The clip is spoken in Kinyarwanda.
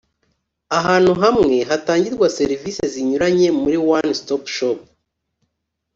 ahantu hamwe hatangirwa serivisi zinyuranye muri one stop shop